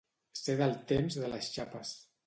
Ser del temps de les xapes.